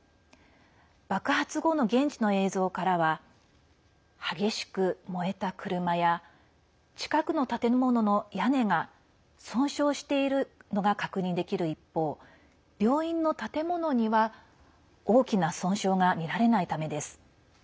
爆発後の現地の映像からは激しく燃えた車や近くの建物の屋根が損傷しているのが確認できる一方病院の建物には大きな損傷が見られないためです。